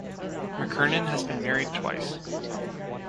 McKernan has been married twice.